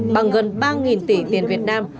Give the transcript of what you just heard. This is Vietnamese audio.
bằng gần ba tỷ tiền việt nam